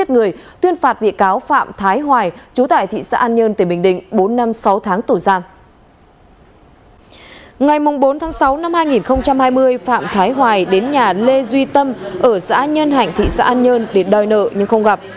ngày bốn sáu hai nghìn hai mươi phạm thái hoài đến nhà lê duy tâm ở xã nhân hạnh thị xã an nhơn để đòi nợ nhưng không gặp